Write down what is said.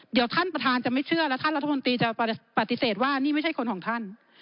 เดี๋ยวท่านประธานจะไม่เชื่อและท่านรัฐมนตรีจะปฏิเสธว่านี่ไม่ใช่คนของท่าน